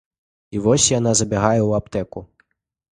І вось яна забягае ў аптэку.